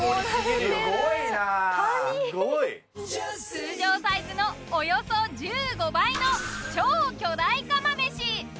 通常サイズのおよそ１５倍の超巨大釜飯。